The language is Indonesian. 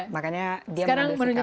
makanya dia menurutnya